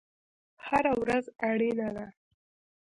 هره ورځ اړینه ده